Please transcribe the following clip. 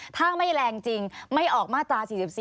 ถ้าไม่แรงจริงไม่ออกมาตรา๔๔